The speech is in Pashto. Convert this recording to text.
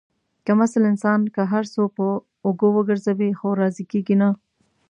کم اصل انسان که هر څو په اوږو وگرځوې، خو راضي کېږي نه.